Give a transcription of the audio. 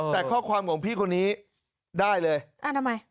แต่ข้อความของพี่คนนี้ได้เลย